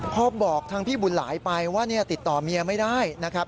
พอบอกทางพี่บุญหลายไปว่าติดต่อเมียไม่ได้นะครับ